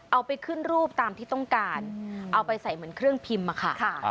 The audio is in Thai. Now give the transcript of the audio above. เอาไปขึ้นรูปตามที่ต้องการเอาไปใส่เหมือนเครื่องพิมพ์อะค่ะ